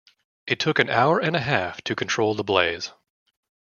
It took an hour and a half to control the blaze.